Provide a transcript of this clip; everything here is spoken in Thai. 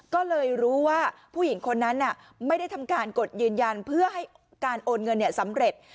ก็เลยรู้ว่าผู้หญิงคนนั้นไม่ได้ทำการกดยืนยันเพื่อให้การโอนเงินสำเร็จ